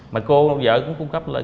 mà cô vợ cũng cung cấp lời